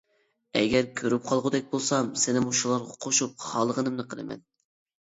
ئەگەر كۆرۈپ قالغۇدەك بولسام سېنىمۇ شۇلارغا قوشۇپ خالىغىنىمنى قىلىمەن!